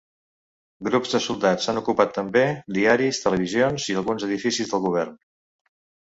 Grups de soldats han ocupat també diaris, televisions i alguns edificis del govern.